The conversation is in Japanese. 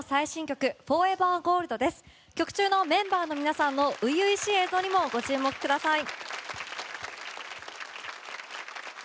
曲中のメンバーの皆さんの初々しい映像にもご注目ください。